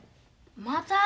また？